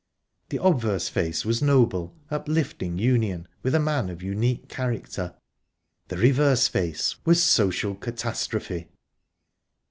The obverse face was noble, uplifting union with a man of unique character; the reverse face was social catastrophe...